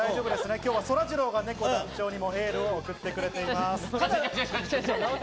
今日はそらジローもねこ団長にエールを送っています。